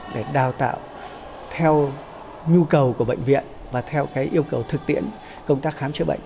để đào tạo theo nhu cầu của bệnh viện và theo yêu cầu thực tiễn công tác khám chữa bệnh